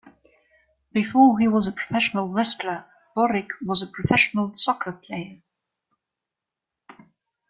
Before he was a professional wrestler, Boric was a professional soccer player.